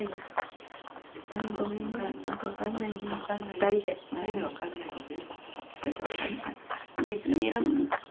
２人で分かんないよね。